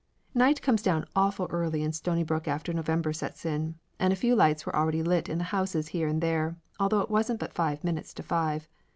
Night comes down awful early in Stonybrook after November sets in, and a few lights was already lit in the houses here and there, although it wasn't but five minutes to five.